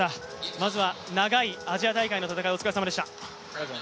まずは長いアジア大会の戦い、お疲れさまでした。